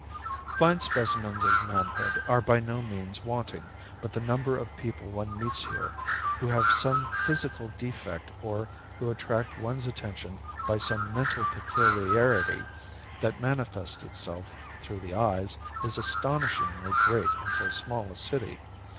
Fine specimens of manhood are by no means wanting, but the number of people one meets here who have some physical defect or who attract one's attention by some mental peculiarity that manifests itself through the eyes, is astonishingly great in so small a city.